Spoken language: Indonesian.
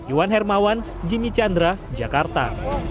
iwan hermawan jimmy chandra jakarta